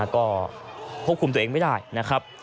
ก็ควบคุมตัวเองไม่ได้นะครับ